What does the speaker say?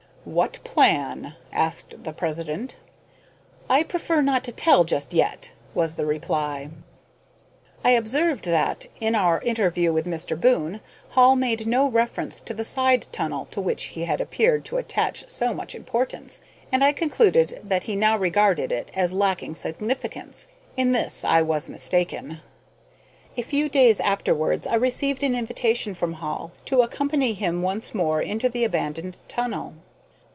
"What plan?" asked the president. "I prefer not to tell just yet," was the reply. I observed that, in our interview with Mr. Boon, Hall made no reference to the side tunnel to which he had appeared to attach so much importance, and I concluded that he now regarded it as lacking significance. In this I was mistaken. A few days afterwards I received an invitation from Hall to accompany him once more into the abandoned tunnel.